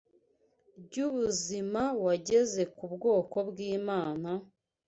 ry’ubuzima wageze ku bwoko bw’Imana,